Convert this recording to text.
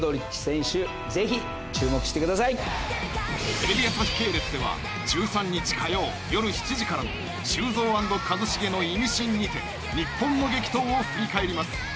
テレビ朝日系列では１３日火曜よる７時からの『修造＆一茂のイミシン』にて日本の激闘を振り返ります。